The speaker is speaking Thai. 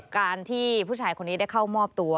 การที่ผู้ชายคนนี้ได้เข้ามอบตัว